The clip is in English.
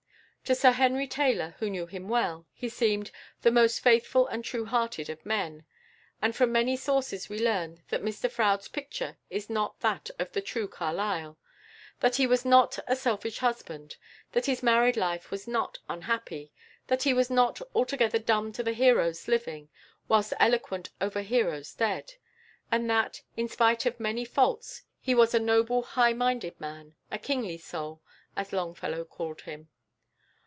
To Sir Henry Taylor, who knew him well, he seemed "the most faithful and true hearted of men," and from many sources we learn that Mr Froude's picture is not that of the true Carlyle; that he was not a selfish husband, that his married life was not unhappy, that he was not altogether dumb to the heroes living, whilst eloquent over heroes dead, and that, in spite of many faults, he was a noble high minded man, a "kingly soul," as Longfellow called him.